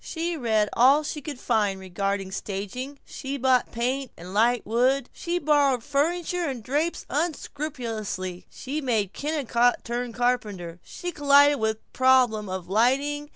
She read all she could find regarding staging, she bought paint and light wood; she borrowed furniture and drapes unscrupulously; she made Kennicott turn carpenter. She collided with the problem of lighting.